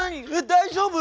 大丈夫？